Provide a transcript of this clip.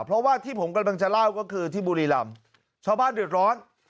เพราะว่าที่ผมกำลังจะเล่าก็คือที่บุรีรำชาวบ้านเดือดร้อน